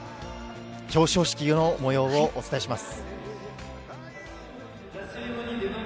表彰式のもようをお伝えします。